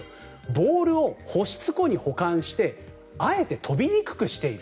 ボールを保湿庫に保管してあえて、飛びにくくしている。